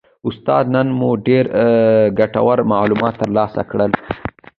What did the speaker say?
استاده نن مو ډیر ګټور معلومات ترلاسه کړل